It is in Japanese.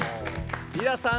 リラさん